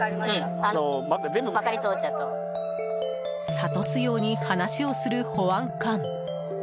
諭すように話をする保安官。